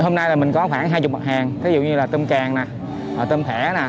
hôm nay mình có khoảng hai mươi mặt hàng ví dụ như là tôm càng tôm thẻ